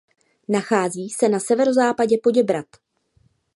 Nachází se na severozápadě Poděbrad.